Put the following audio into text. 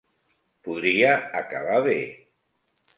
Podria acabar bé.